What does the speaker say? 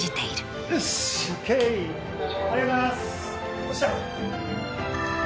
ありがとうございますよっしゃ。